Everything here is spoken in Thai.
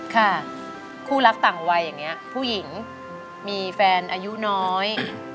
ค่ะคู่รักต่างวัยอย่างนี้ผู้หญิงมีแฟนอายุน้อย